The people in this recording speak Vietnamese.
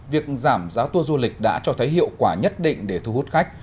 việc giảm giá tour du lịch đã cho thấy hiệu quả nhất định để thu hút khách